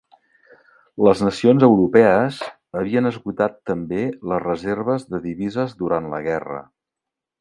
Les nacions europees havien esgotat també les reserves de divises durant la guerra.